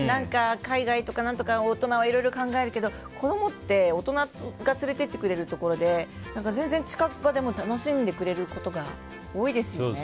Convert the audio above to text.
海外とかなんとか大人はいろいろ考えるけど子供って大人が連れていってくれるところで全然、近場でも楽しんでくれることが多いですよね。